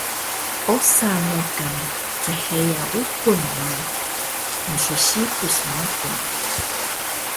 Osa mekan cheya uqun ma mssibus mahun